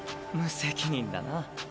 無責任だな。